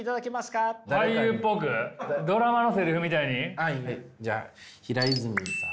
はいじゃあ平泉さん。